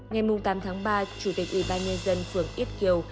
ngày tám tháng ba chủ tịch ủy ban nhân dân phường ít kiều